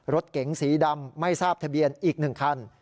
รถเก๋งสีดำไม่ทราบทะเบียนอีก๑คัน